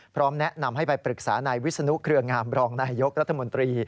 พร้อมแนะนำให้ไปปรึกษานายวิศนุเครืองามรองนายยกรัฐมนตรี